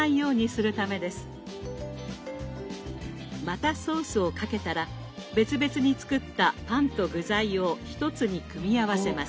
またソースをかけたら別々に作ったパンと具材を一つに組み合わせます。